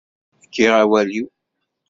Fkiɣ awal-iw.